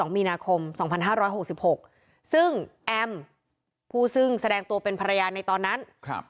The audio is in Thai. มีนาคม๒๕๖๖ซึ่งแอมผู้ซึ่งแสดงตัวเป็นภรรยาในตอนนั้น